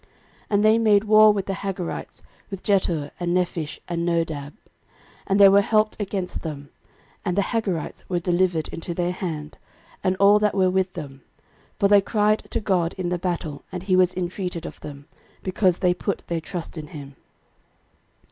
13:005:019 And they made war with the Hagarites, with Jetur, and Nephish, and Nodab. 13:005:020 And they were helped against them, and the Hagarites were delivered into their hand, and all that were with them: for they cried to God in the battle, and he was intreated of them; because they put their trust in him.